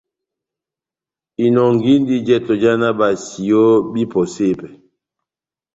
Inɔngindi jɛtɔ já náh basiyo bahipɔse pɛhɛ.